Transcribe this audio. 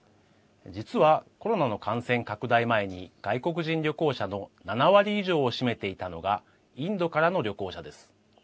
実は、コロナの感染拡大前に外国人旅行者の７割以上を占めていたのがインドからの旅行者です。